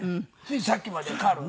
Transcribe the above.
ついさっきまでカール。